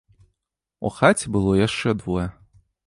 У хаце было яшчэ двое.